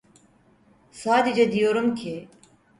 Sadece diyorum ki…